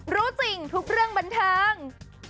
รู้จริงทุกเรื่องบันเทิง